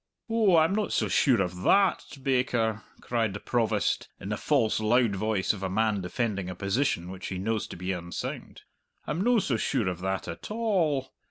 "Oh, I'm not so sure of tha at, baker," cried the Provost, in the false, loud voice of a man defending a position which he knows to be unsound; "I'm no so sure of that at a all.